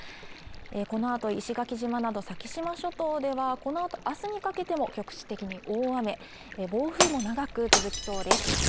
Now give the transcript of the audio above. このあと石垣島など先島諸島ではこのあとあすにかけても局地的に大雨や暴風も長く続きそうです